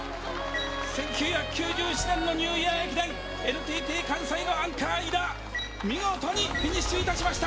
１９９７年のニューイヤー駅伝、ＮＴＴ関西の井田、見事にフィニッシュいたしました。